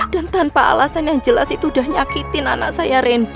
dan tanpa alasan yang jelas itu udah nyakitin anak saya randy